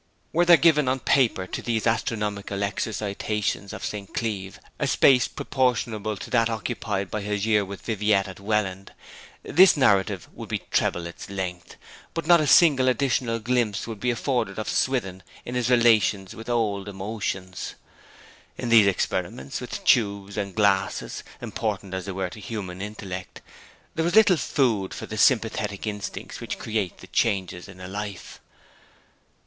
Were there given on paper to these astronomical exercitations of St. Cleeve a space proportionable to that occupied by his year with Viviette at Welland, this narrative would treble its length; but not a single additional glimpse would be afforded of Swithin in his relations with old emotions. In these experiments with tubes and glasses, important as they were to human intellect, there was little food for the sympathetic instincts which create the changes in a life.